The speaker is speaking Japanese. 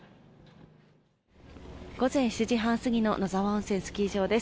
午前７時半過ぎの野沢温泉スキー場です。